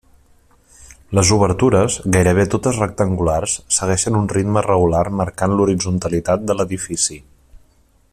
Les obertures, gairebé totes rectangulars, segueixen un ritme regular marcant l'horitzontalitat de l'edifici.